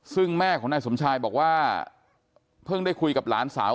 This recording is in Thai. ซึ่งแม่ของนายสมชายบอกว่าเพิ่งได้คุยกับหลานสาว